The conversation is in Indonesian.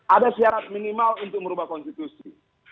ada syarat minimal untuk merubah konstitusi